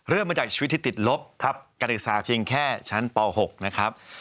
เริ่มมาจากชีวิตที่ติดลบครับกฎิกาเพียงแค่ชั้นป๖นะครับ